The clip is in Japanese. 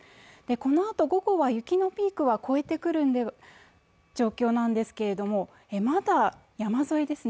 このあと午後は雪のピークは超えてくる状況なんですけれども山沿いですね